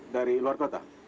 dari luar kota